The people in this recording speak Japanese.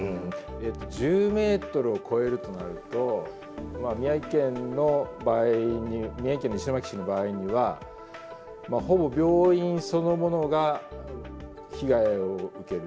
１０ｍを超えるとなると宮城県の場合宮城県石巻市の場合にはほぼ病院そのものが被害を受ける。